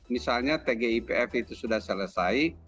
misalnya tg ipf itu sudah selesai